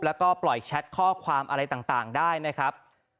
แล้วก็ปล่อยแชทข้อความอะไรต่างได้นะครับ